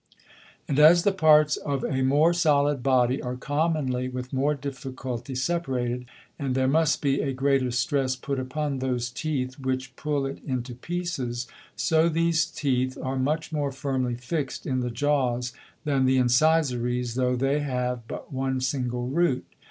And as the Parts of a more solid Body are commonly with more difficulty separated, and there must be a greater stress put upon those Teeth which pull it into pieces; so these Teeth are much more firmly fixed in the Jaws than the Incisores, tho' they have but one single Root.